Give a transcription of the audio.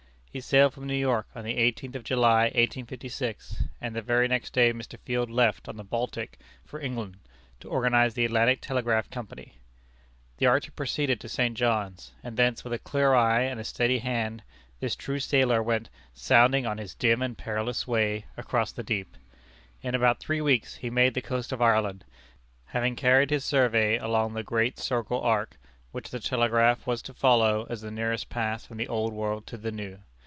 He sailed from New York on the eighteenth of July, 1856, and the very next day Mr. Field left on the Baltic for England, to organize the Atlantic Telegraph Company. The Arctic proceeded to St. John's, and thence with a clear eye and a steady hand, this true sailor went "sounding on his dim and perilous way" across the deep. In about three weeks he made the coast of Ireland, having carried his survey along the great circle arc, which the telegraph was to follow as the nearest path from the old world to the new.